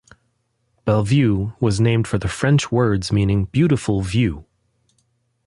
Bellevue was named for the French words meaning "beautiful view".